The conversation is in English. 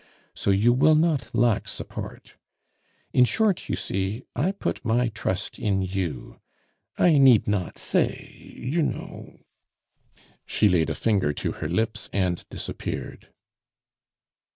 So you will not lack support. "In short, you see, I put my trust in you, I need not say you know " She laid a finger to her lips and disappeared.